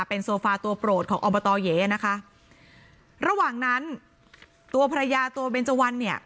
เป็นโซฟาตัวโปรดของอบตเหยนะคะระหว่างนั้นตัวภรรยาตัวเบนเจวันเนี่ย